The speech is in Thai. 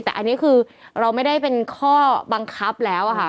แต่อันนี้คือเราไม่ได้เป็นข้อบังคับแล้วค่ะ